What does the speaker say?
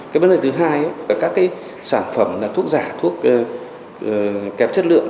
cái vấn đề thứ hai là các cái sản phẩm thuốc giả thuốc kém chất lượng